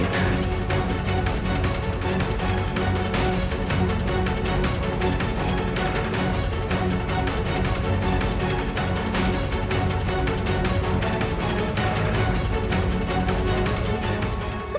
aku akan tak cheeknya sama dia